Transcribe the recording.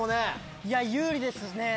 いや、有利ですね。